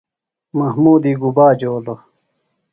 محمودی گُبا جولوۡ ؟